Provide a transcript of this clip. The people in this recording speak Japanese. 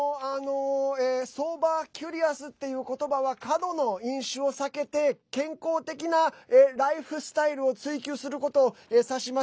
Ｓｏｂｅｒ‐ｃｕｒｉｏｕｓっていう言葉は過度の飲酒を避けて健康的なライフスタイルを追求することをさします。